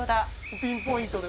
ピンポイントで。